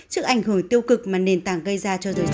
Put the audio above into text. trước ảnh hưởng tiêu cực mà nền tảng gây ra cho giới trẻ